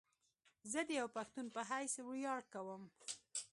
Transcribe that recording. زه ديوه پښتون په حيث وياړ کوم